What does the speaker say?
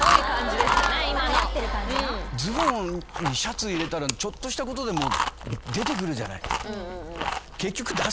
ズボンにシャツ入れたらちょっとしたことで出てくるじゃない。